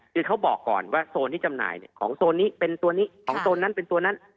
คือเขาบอกก่อนว่าโซนที่จำหน่ายของโซนนี้เป็นตัวนี้ของโซนนั้นเป็นตัวนั้น